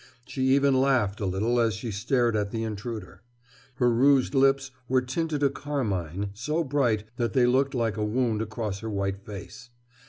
She even laughed a little as she stared at the intruder. Her rouged lips were tinted a carmine so bright that they looked like a wound across her white face.